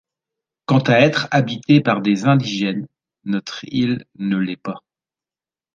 Quant à être habitée par des indigènes, notre île ne l’est pas!